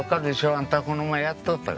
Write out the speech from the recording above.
あんたこの前やっとったが。